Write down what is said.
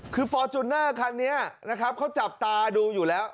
คือฟอร์จูเนอร์คันนี้นะครับเขาจับตาดูอยู่แล้ว